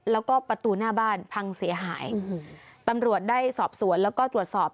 แล้วก็ประตูหน้าบ้านพังเสียหายตำรวจได้สอบสวนแล้วก็ตรวจสอบ